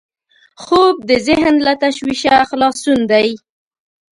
خوب د ذهن له تشویشه خلاصون دی